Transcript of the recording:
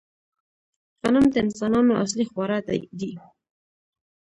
غنم د انسانانو اصلي خواړه دي